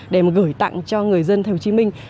để gửi tặng cho người dân theo hồ chí minh